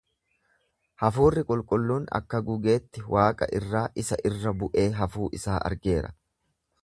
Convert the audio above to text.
Hafuurri qulqulluun akka gugeetti waaqa irraa isa irra bu'ee hafuu isaa argeera.